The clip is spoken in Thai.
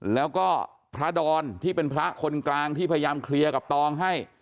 แล้วก็พระดอนที่เป็นพระคนกลางที่พยายามเคลียร์กับตองให้